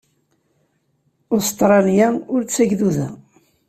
Ustṛalya ur d tagduda.